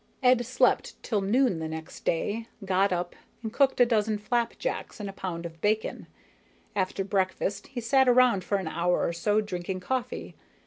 Ed slept till noon the next day, got up and cooked a dozen flapjacks and a pound of bacon. After breakfast, he sat around for an hour or so drinking coffee.